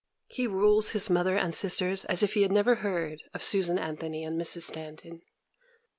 He rules his mother and sisters as if he had never heard of Susan Anthony and Mrs. Stanton.